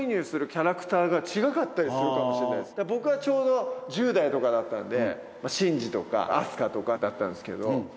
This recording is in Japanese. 僕はちょうど１０代とかだったんでシンジとかアスカとかだったんですけど。